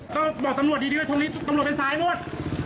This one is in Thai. ก็บอกตำรวจดีว่าตรงนี้ตำรวจเป็นสายหมด